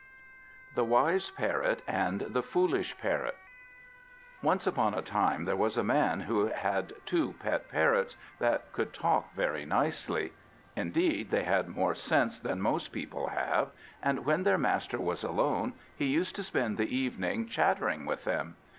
THE WISE PARROT AND THE FOOLISH PARROT Once upon a time there was a man who had two pet parrots that could talk very nicely; indeed they had more sense than most people have, and when their master was alone he used to spend the evening chattering with them.